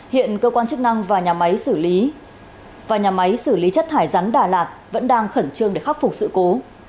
hiện cơ quan chức năng và nhà máy xử lý chất thải rắn đà lạt vẫn đang khẩn trương để khắc phục sự cố